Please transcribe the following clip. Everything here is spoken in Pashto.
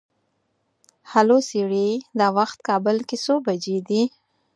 هلو سیري! دا وخت کابل کې څو بجې دي؟